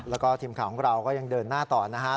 แล้วก็ทีมข่าวของเราก็ยังเดินหน้าต่อนะครับ